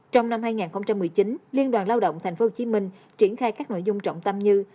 trong năm hai nghìn một mươi chín liên đoàn lao động tp hcm triển khai các nội dung trọng tâm như